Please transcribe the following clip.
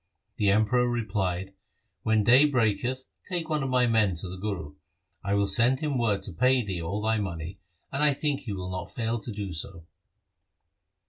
The Emperor replied, ' When day breaketh, take one of my men to the Guru. I will send him word to pay thee all thy money, and I think he will not fail to do so.'